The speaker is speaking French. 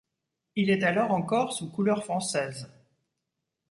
Il est alors encore sous couleurs françaises.